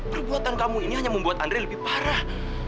perbuatan kamu ini hanya membuat andre lebih parah